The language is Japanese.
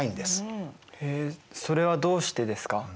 へえそれはどうしてですか。